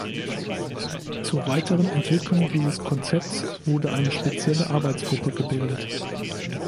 Zur weiteren Entwicklung dieses Konzepts wurde eine spezielle Arbeitsgruppe gebildet.